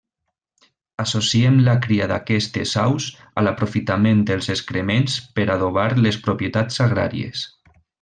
Associem la cria d'aquestes aus a l'aprofitament dels excrements per adobar les propietats agràries.